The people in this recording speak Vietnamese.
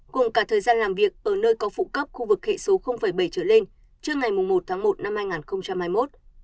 cùng cả thời gian làm việc ở nơi có phụ cấp khu vực hệ số bảy trở lên trước ngày một tháng một năm hai nghìn hai mươi một